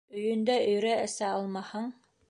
Өйөндә өйрә эсә алмаһаң